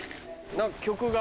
何か曲が。